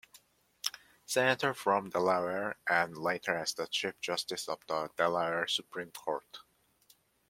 Senator from Delaware, and later as the Chief Justice of the Delaware Supreme Court.